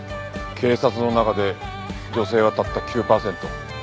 警察の中で女性はたった９パーセント。